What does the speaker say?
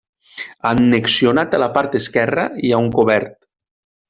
Annexionat a la part esquerra hi ha un cobert.